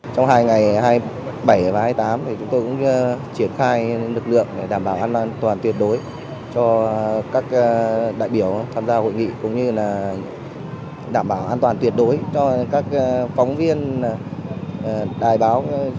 trong hai ngày hai mươi bảy và hai mươi tám chúng tôi cũng triển khai lực lượng để đảm bảo an toàn tuyệt đối cho các đại biểu tham gia hội nghị cũng như là đảm bảo an toàn tuyệt đối cho các phóng viên đài báo